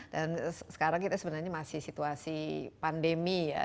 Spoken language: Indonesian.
dan sekarang kita sebenarnya masih situasi pandemi ya